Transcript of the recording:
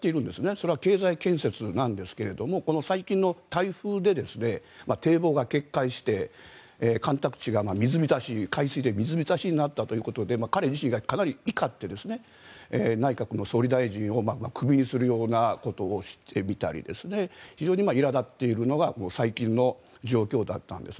それは経済建設なんですが最近の台風で堤防が決壊して干拓地が海水で水浸しになったということで彼自身がかなり怒って内閣の総理大臣をクビにするようなことをしてみたり非常にいら立っているのが最近の状況だったんです。